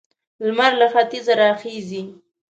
لمر له ختيځه را خيژي.